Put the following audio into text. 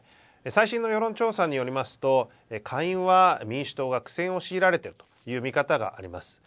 最新の世論調査によりますと下院は民主党が苦戦を強いられているという見方があります。